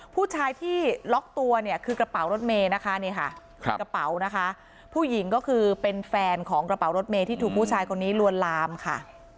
ผู้ชายที่ล็อกตัวเนี่ยคือกระเป๋ารถเมย์นะคะนี่ค่ะกระเป๋านะคะผู้หญิงก็คือเป็นแฟนของกระเป๋ารถเมย์ที่ถูกผู้ชายคนนี้ลวนลามค่ะ